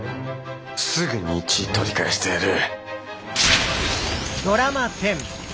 すぐに１位取り返してやる。